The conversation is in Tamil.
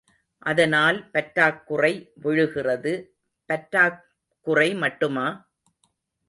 அதனால் பற்றாக்குறை விழுகிறது, பற்றாக் குறை மட்டுமா?